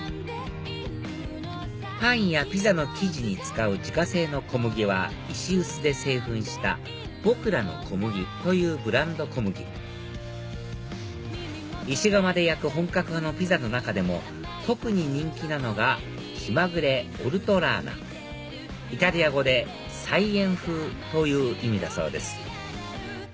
パンやピザの生地に使う自家製の小麦は石臼で製粉した「ぼくらの小麦」というブランド小麦石窯で焼く本格派のピザの中でも特に人気なのが気まぐれオルトラーナイタリア語で菜園風という意味だそうです